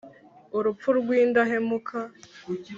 Urupfu rw indahemuka